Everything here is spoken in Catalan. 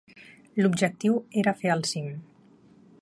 L'objectiu era fer el cim.